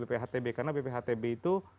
bphtb karena bphtb itu